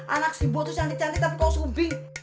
anak si mbok tuh cantik cantik tapi kalau sumbing